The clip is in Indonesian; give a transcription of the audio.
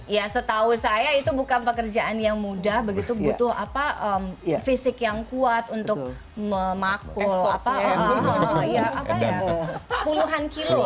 ya setahu saya itu bukan pekerjaan yang mudah begitu butuh fisik yang kuat untuk memakul puluhan kilo